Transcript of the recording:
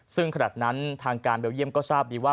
ซึ่งขณะนั้นทางการเบลเยี่ยมก็ทราบดีว่า